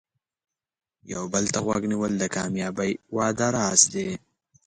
یو بل ته غوږ نیول د کامیاب واده راز دی.